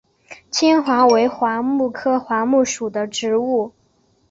坚桦为桦木科桦木属的植物。